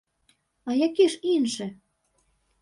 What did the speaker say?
А які ж іншы?!